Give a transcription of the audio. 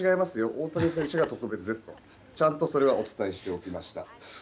大谷選手が特別ですとちゃんとお伝えしておきました。